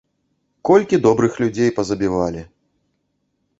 Колькі добрых людзей пазабівалі!